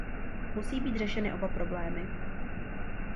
Musí být řešeny oba problémy.